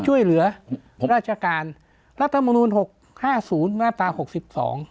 ช่วยเหลือราชการรัฐมนูลหกห้าศูนย์มาตราหกสิบสอง